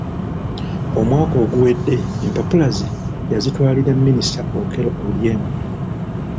Omwaka oguwedde empapula ze yazitwalira Minisita Okello Oryem.